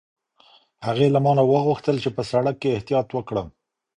هغې له ما نه وغوښتل چې په سړک کې احتیاط وکړم.